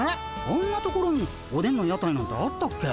あんなところにおでんの屋台なんてあったっけ？